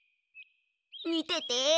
みてて。